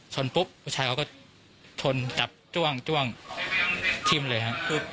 ปุ๊บผู้ชายเขาก็ชนจับจ้วงจ้วงทิ้มเลยครับ